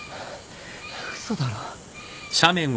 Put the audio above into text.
嘘だろ。